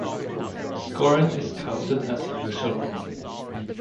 Scoring is counted as usual.